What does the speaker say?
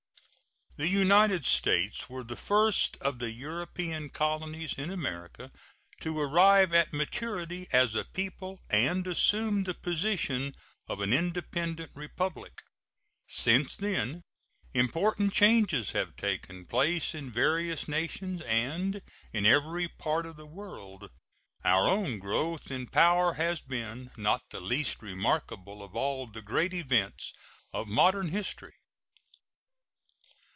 The United States were the first of the European colonies in America to arrive at maturity as a people and assume the position of an independent republic. Since then important changes have taken place in various nations and in every part of the world. Our own growth in power has been not the least remarkable of all the great events of modern history.